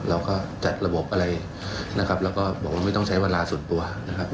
เราก็จัดระบบอะไรนะครับแล้วก็บอกว่าไม่ต้องใช้เวลาส่วนตัวนะครับ